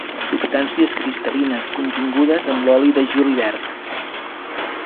Substàncies cristal·lines contingudes en l'oli de julivert.